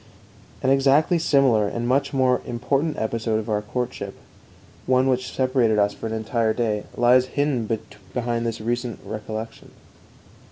An exactly similar and much more important episode of our courtship, one which separated us for an entire day, lies hidden behind this recent recollection.